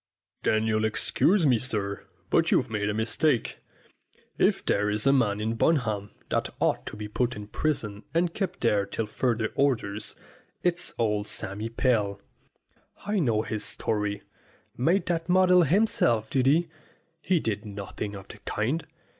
"Then you'll excuse me, sir, but you've made a mistake. If there is a man in Bunham that ought to be put in prison and kept there till further orders, it's old Sammy Pell. I know his story. Made that model himself, did he? He did nothing of the kind.